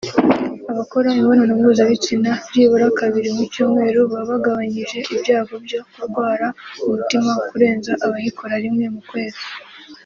abakora imibonano mpuzabitsina byibura kabiri mu cyumweru baba bagabanyije ibyago byo kurwara umutima kurenza abayikora rimwe mu kwezi